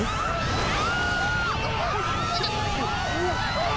あっ！